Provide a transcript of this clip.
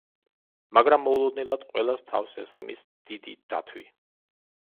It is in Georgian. მაგრამ მოულოდნელად ყველას თავს ესხმის დიდი დათვი.